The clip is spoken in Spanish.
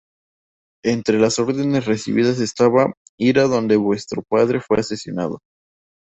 Entre las órdenes recibidas estaba "ir a dónde vuestro padre fue asesinado".